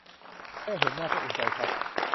แค่เห็นหน้าก็อุ่นใจครับ